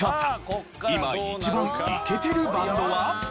今一番イケてるバンドは？